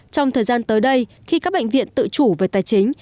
trong thời gian tới đây khi các bệnh viện tự chủ về tài chính